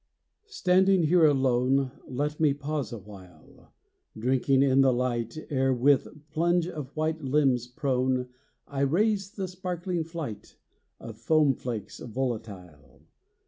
Standing here alone, Let me pause awhile, Drinking in the light Ere, with plunge of white limbs prone, I raise the sparkling flight Of foam flakes volatile.